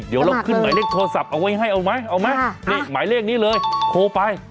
เดี๋ยวเราขึ้นหมายเลขโทรศัพท์เอาไว้ให้เอาไหมเอาไหมนี่หมายเลขนี้เลยโทรไป